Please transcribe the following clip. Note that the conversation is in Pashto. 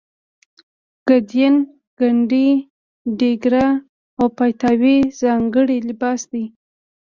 ګدین ګنډۍ ډیګره او پایتاوې ځانګړی لباس دی.